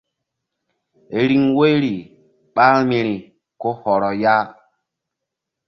Riŋ woyri ɓa vbi̧ri ko hɔrɔ ya.